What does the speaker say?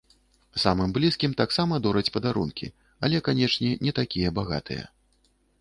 Самым блізкім таксама дораць падарункі, але, канечне, не такія багатыя.